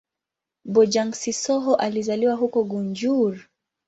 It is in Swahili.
Bojang-Sissoho alizaliwa huko Gunjur.